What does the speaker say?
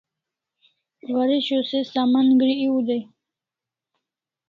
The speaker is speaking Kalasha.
Waresho se saman gri eu dai